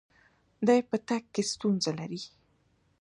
دی په تګ کې ستونزه لري.